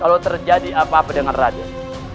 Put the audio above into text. kalau terjadi apa apa dengan radius